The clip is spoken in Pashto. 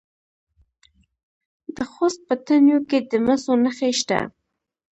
د خوست په تڼیو کې د مسو نښې شته.